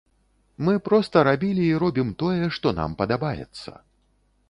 Мы проста рабілі і робім тое, што нам падабаецца.